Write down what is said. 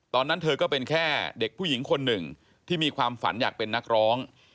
ตอนนั้นเธอก็เป็นแค่เด็กผู้หญิงคนหนึ่งที่มีความฝันอยากเป็นนักร้อง